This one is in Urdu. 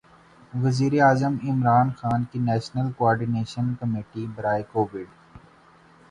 وزیرِ اعظم عمران خان کی نیشنل کوارڈینیشن کمیٹی برائے کوویڈ